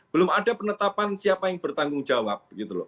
belum ada penetapan siapa yang bertanggung jawab